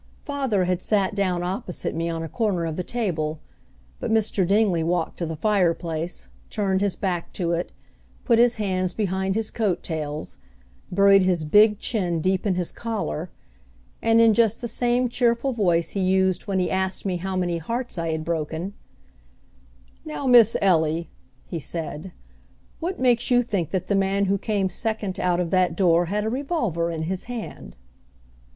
Father had sat down opposite me on a corner of the table, but Mr. Dingley walked to the fireplace, turned his back to it, put his hands behind his coat tails, buried his big chin deep in his collar, and in just the same cheerful voice he used when he asked me how many hearts I had broken, "Now, Miss Ellie," he said, "what makes you think that the man who came second out of that door had a revolver in his hand?"